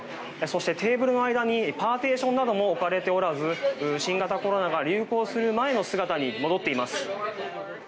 そして、テーブルの間にパーティションなども置かれておらず新型コロナが流行する前の姿に戻っています。